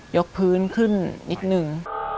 ยกพื้นขึ้นนิดนึง